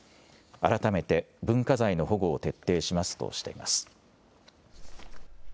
改めて文化財の保護を徹底しますとしています。